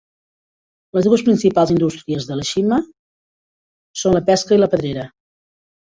Les dues principals indústries de Ieshima són la pesca i la pedrera.